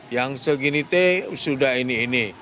yang segini t sudah ini ini